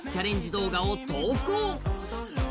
動画を投稿。